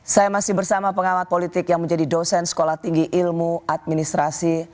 saya masih bersama pengamat politik yang menjadi dosen sekolah tinggi ilmu administrasi